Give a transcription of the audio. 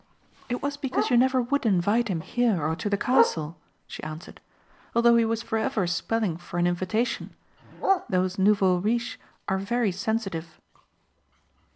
"It was because you never would invite him here or to the castle," she answered, "although he was forever spelling for an invitation. Those nouveaux riches are very sensitive."